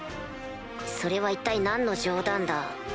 それは一体何の冗談だ。